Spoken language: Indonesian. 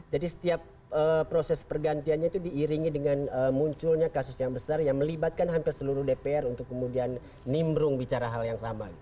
jadi setiap proses pergantiannya itu diiringi dengan munculnya kasus yang besar yang melibatkan hampir seluruh dpr untuk kemudian nimrung bicara hal yang sama